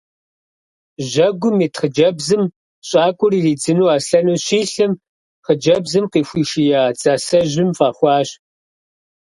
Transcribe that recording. Жьэгум ит хъыджэбзым щӏакӏуэр иридзыну аслъэну щилъым, хъыджэбзым къыхуишия дзасэжьым фӏэхуащ.